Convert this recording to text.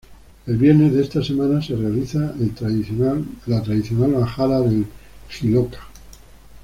El viernes de esta semana se realiza la tradicional “bajada" del Jiloca.